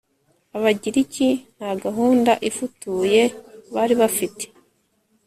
ababiligi nta gahunda ifutuye bari bafite